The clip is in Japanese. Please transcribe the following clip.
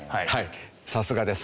さすがです。